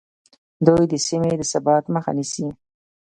دوی د سیمې د ثبات مخه نیسي